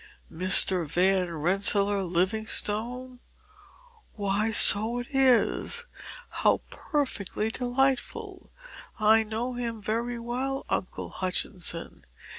"Mr. Van Rensselaer Livingstone! Why so it is! How perfectly delightful! I know him very well, Uncle Hutchinson.